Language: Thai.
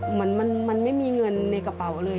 เหมือนมันไม่มีเงินในกระเป๋าเลย